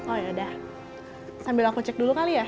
oh yaudah sambil aku cek dulu kali ya